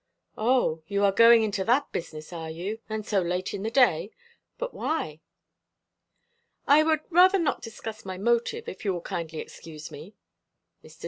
"O, you are going into that business, are you, and so late in the day? But why?" "I would rather not discuss my motive, if you will kindly excuse me." Mr.